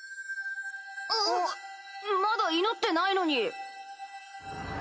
まだ祈ってないのに。